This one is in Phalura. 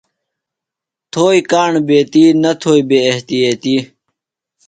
تھوئیۡ کاݨ بیتیۡ، نہ تھوئیۡ بے احتیطیۡ